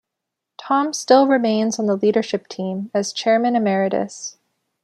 Tom still remains on the leadership team as Chairman Emeritus.